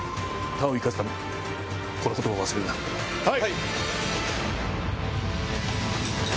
はい！